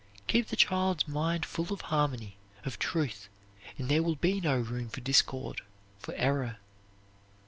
Keep the child's mind full of harmony, of truth, and there will be no room for discord, for error.